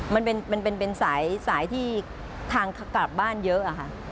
มันเป็นสายที่ทางกลับบ้านเยอะอะค่ะ